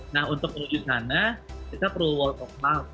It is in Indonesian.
nah untuk menuju sana kita perlu world of mouth